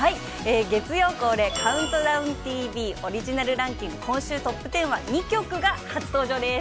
月曜恒例「ＣＤＴＶ」オリジナルランキング、今週トップ１０は２曲が初登場です。